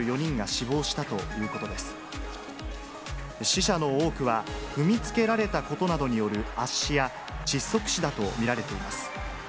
死者の多くは、踏みつけられたことなどによる圧死や、窒息死だと見られています。